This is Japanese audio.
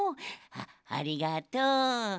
あありがとう。